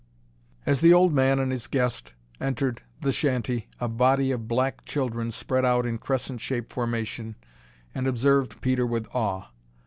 As the old man and his guest entered the shanty a body of black children spread out in crescent shape formation and observed Peter with awe.